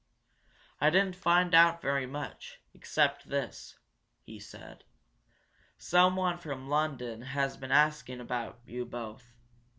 "I didn't find out very much," he said, "except this. Someone from London has been asking about you both.